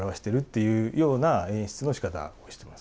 いうような演出のしかたをしてます。